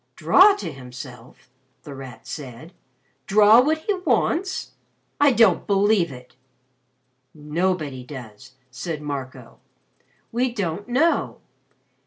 '_" "Draw to himself?" The Rat said. "Draw what he wants? I don't believe it!" "Nobody does," said Marco. "We don't know.